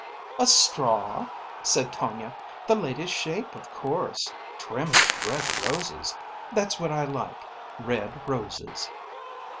"A straw," said Tonia; "the latest shape, of course; trimmed with red roses. That's what I like—red roses."